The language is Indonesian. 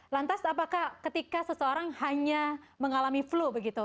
lantas apakah ketika seseorang hanya mengalami flu begitu